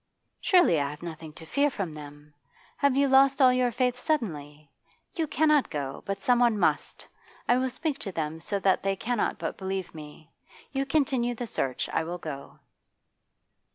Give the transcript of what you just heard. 'Surely I have nothing to fear from them? Have you lost all your faith suddenly? You cannot go, but someone must. I will speak to them so that they cannot but believe me. You continue the search; I will go.